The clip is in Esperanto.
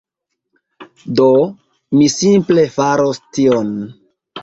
Do, mi simple faros tion.